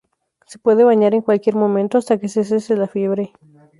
Se puede bañar en cualquier momento, hasta que cese la fiebre.